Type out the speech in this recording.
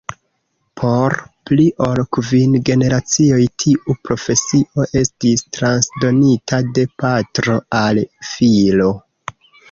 Por pli ol kvin generacioj tiu profesio estis transdonita de patro al filo.